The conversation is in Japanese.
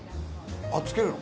あっつけるの？